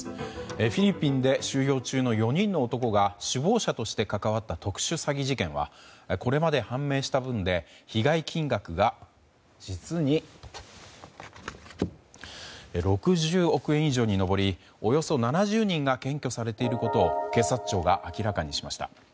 フィリピンで収容中の４人の男が首謀者として関わった特殊詐欺事件はこれまで判明した分で被害金額が実に６０億円以上に上りおよそ７０人が検挙されていることを警察庁が明らかにしました。